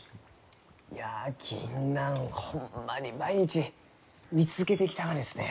いやギンナンホンマに毎日見続けてきたがですね。